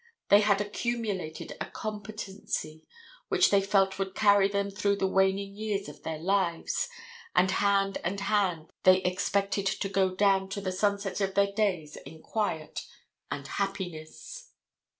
They had accumulated a competency which they felt would carry them through the waning years of their lives, and hand and hand they expected to go down to the sunset of their days in quiet and happiness.